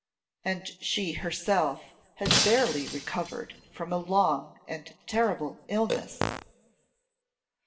'And she herself has barely recovered from a long and terrible illness.